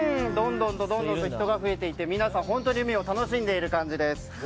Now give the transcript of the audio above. どんどんと人が増えていって皆さん本当に海を楽しんでいる感じです。